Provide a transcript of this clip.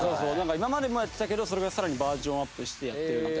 今までもやってたけどそれがさらにバージョンアップしてやってるみたい。